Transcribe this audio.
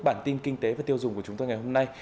bản tin kinh tế và tiêu dùng của chúng tôi ngày hôm nay